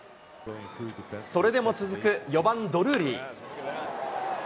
それでも続く４番ドルーリー。